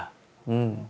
うん。